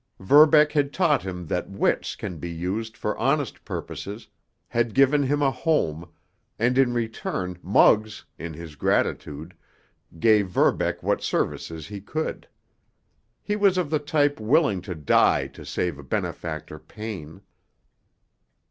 Verbeck had taught him that wits can be used for honest purposes, had given him a home, and in return Muggs, in his gratitude, gave Verbeck what services he could. He was of the type willing to die to save a benefactor pain.